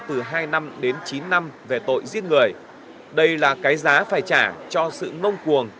từ hai năm đến chín năm về tội giết người đây là cái giá phải trả cho sự nông cuồng